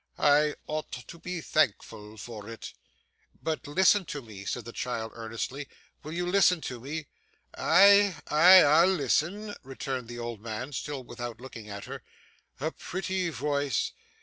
I ought to be thankful of it.' 'But listen to me,' said the child earnestly, 'will you listen to me?' 'Aye, aye, I'll listen,' returned the old man, still without looking at her; 'a pretty voice.